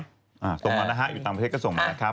อ่าตกมานะฮะต่างประเทศก็ส่งมานะครับ